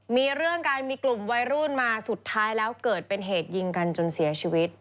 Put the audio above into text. มีเรื่องการมีกลุ่มวัยรุ่นมาสุดท้ายแล้วเกิดเป็นเหตุยิงกันจนเสียชีวิต